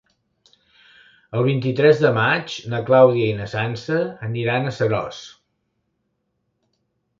El vint-i-tres de maig na Clàudia i na Sança aniran a Seròs.